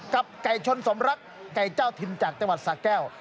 กับไกชนสมรักษ์ไก้เจ้าทิมจากจังหวัดสะแก้ว